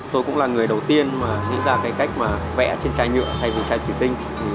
tôi cũng là người đầu tiên mà nghĩ ra cái cách mà vẽ trên chai nhựa hay vụ chai thủy tinh